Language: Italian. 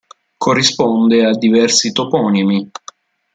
Corrisponde a diversi toponimi.